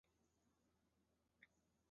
塞尔维利。